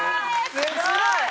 すごい！